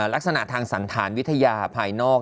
ลักษณะทางสันธารวิทยาภายนอก